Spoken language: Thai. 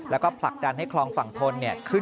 แล้วก็ผลักดันให้คลองฝั่งทนขึ้น